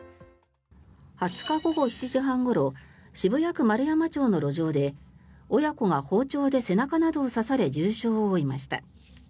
２０日午後７時半ごろ渋谷区円山町の路上で親子が包丁で背中などを刺され重傷を負いました。